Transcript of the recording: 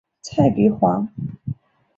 蔡璧煌。